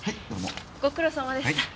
ご苦労さまでした。